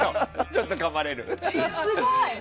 ちょっとかまれる。